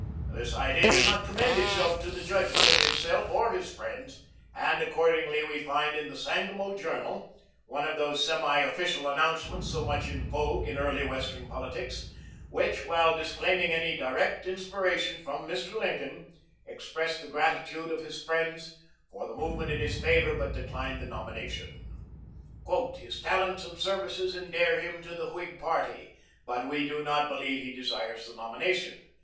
This idea did not commend itself to the judgment of himself or his friends, and accordingly we find in the "Sangamo Journal" one of those semi official announcements so much in vogue in early Western politics, which, while disclaiming any direct inspiration from Mr. Lincoln, expressed the gratitude of his friends for the movement in his favor, but declined the nomination. "His talents and services endear him to the Whig party; but we do not believe he desires the nomination.